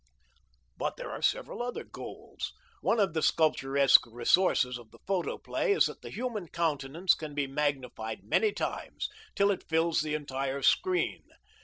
But there are several other goals. One of the sculpturesque resources of the photoplay is that the human countenance can be magnified many times, till it fills the entire screen.